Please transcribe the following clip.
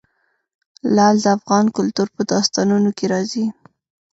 لعل د افغان کلتور په داستانونو کې راځي.